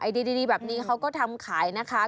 ดีแบบนี้เขาก็ทำขายนะคะ